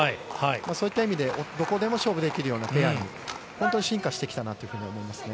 そういった意味で、どこでも勝負できるようなペアに、本当に進化してきたなというふうに思いますね。